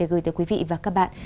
để gửi tới quý vị và các bạn